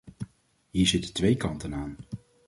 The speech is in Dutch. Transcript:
Hier zitten twee kanten aan.